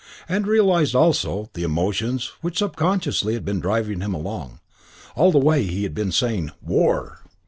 And realised also the emotions which subconsciously had been driving him along. All the way he had been saying "War!"